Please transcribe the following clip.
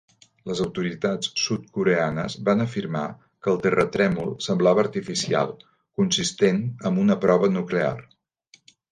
Les autoritats sud-coreanes van afirmar que el terratrèmol semblava artificial, consistent amb una prova nuclear.